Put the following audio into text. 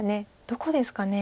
どこですかね。